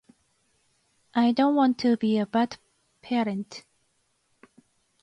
I don't want to be a bad parent.